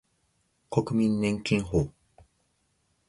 国民年金法